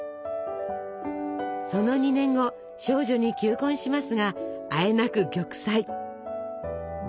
その２年後少女に求婚しますがあえなく玉砕。